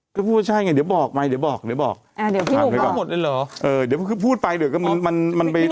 เขาพูดว่าใช่ไงดีบอกใหม่เดียวพูดอ่าเดี๋ยวพี่เนี๊ยมเผาหมดได้หรอเออเออเดี๋ยวพูดไปเดี๋ยวมัน